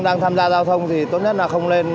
đang tham gia giao thông thì tốt nhất là không lên